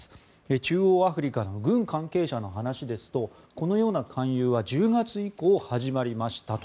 中央アフリカの軍関係者の話ですとこのような勧誘は１０月以降始まりましたと。